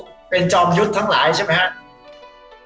เป็นจอมยุทธ์ทั้งหลายใช่ไหมครับ